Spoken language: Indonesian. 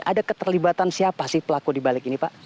ada keterlibatan siapa sih pelaku di balik ini pak